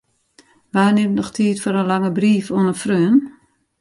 Wa nimt noch tiid foar in lange brief oan in freon?